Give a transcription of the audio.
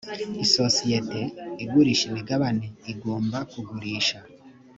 isosiyete igurisha imigabane igomba kugurisha.